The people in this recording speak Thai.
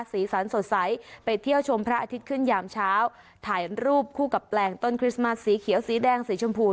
สีสันสดใสไปเที่ยวชมพระอาทิตย์ขึ้นยามเช้าถ่ายรูปคู่กับแปลงต้นคริสต์มัสสีเขียวสีแดงสีชมพู